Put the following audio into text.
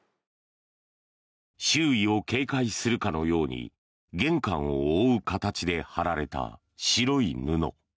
周囲を警戒するかのように玄関を覆う形で張られた白い布。